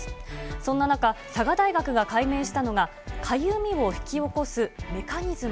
そんな中、佐賀大学が解明したのが、かゆみを引き起こすメカニズム。